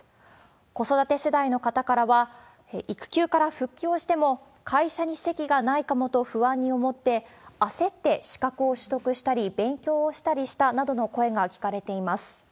子育て世代の方からは、育休から復帰をしても会社に席がないかもと不安に思って、焦って資格を取得したり、勉強をしたりしたなどの声が聞かれています。